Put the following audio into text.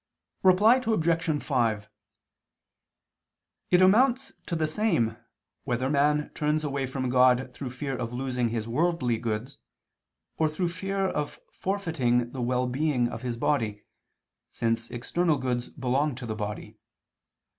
Reply Obj. 5: It amounts to the same whether man turns away from God through fear of losing his worldly goods, or through fear of forfeiting the well being of his body, since external goods belong to the body.